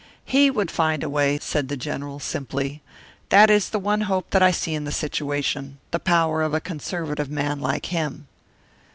"He would find a way," said the General, simply. "That is the one hope that I see in the situation the power of a conservative man like him."